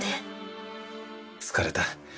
疲れた。